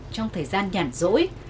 trong thời gian nhản rỗi